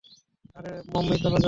আরে মম্মি চলো যাই।